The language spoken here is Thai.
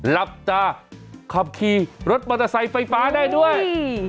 หลับตาขับขี่รถมอเตอร์ไซค์ไฟฟ้าได้ด้วย